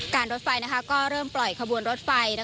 รถไฟก็เริ่มปล่อยขบวนรถไฟ